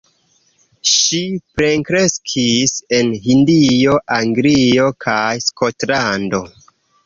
Ŝi plenkreskis en Hindio, Anglio kaj Skotlando.